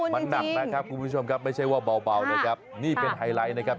มันหนักนะครับคุณผู้ชมครับไม่ใช่ว่าเบานะครับนี่เป็นไฮไลท์นะครับ